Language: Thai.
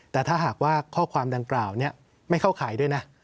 แต่ถ้าหากว่าข้อความดังกล่าวนี้ไม่เข้าข่ายด้วยนะ